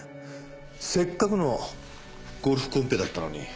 せっかくのゴルフコンペだったのに。